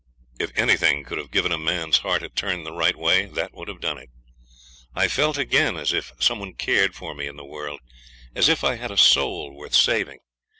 If anything could have given a man's heart a turn the right way that would have done it. I felt again as if some one cared for me in the world, as if I had a soul worth saving.